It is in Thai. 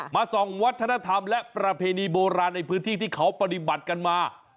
ส่องวัฒนธรรมและประเพณีโบราณในพื้นที่ที่เขาปฏิบัติกันมา